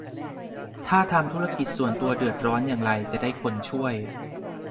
ถ้าทำธุรกิจส่วนตัวเดือดร้อนอย่างไรจะได้คนช่วย